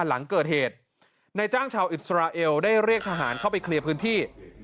หลังเกิดเหตุในจ้างชาวอิสราเอลได้เรียกทหารเข้าไปเคลียร์พื้นที่